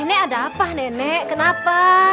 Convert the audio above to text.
ini ada apa nenek kenapa